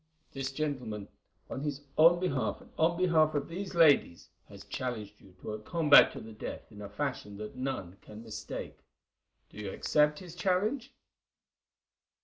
This gentleman, on his own behalf and on behalf of these ladies, has challenged you to a combat to the death in a fashion that none can mistake. Do you accept his challenge?"